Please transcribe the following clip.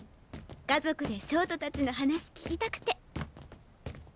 家族で焦凍たちの話聞きたくて。